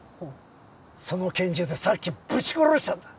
その拳銃でさっきぶち殺したんだ。